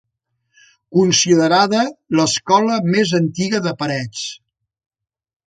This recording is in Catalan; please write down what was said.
Considerada l'escola més antiga de Parets.